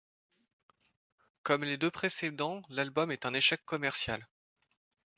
Comme les deux précédents, l'album est un échec commercial.